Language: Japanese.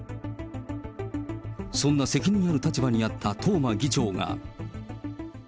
そんな責任ある立場にあった東間議長が。